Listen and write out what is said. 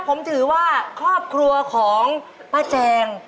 ผมถือว่าครอบครัวของป้าแจง